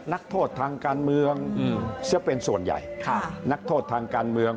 นักโทษทางการเมืองซะเป็นส่วนใหญ่นักโทษทางการเมือง